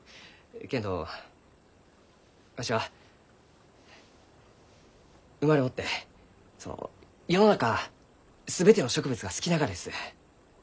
けんどわしは生まれもってその世の中全ての植物が好きながです。